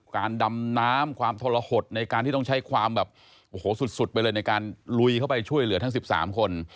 การดำน้ำความทรหดในการที่ต้องใช้ความแบบโอ้โหสุดไปเลยในการลุยเข้าไปช่วยเหลือทั้ง๑๓คน